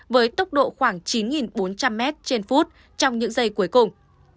với tốc độ khoảng chín bốn trăm linh m trên phút trong những giây cuối cùng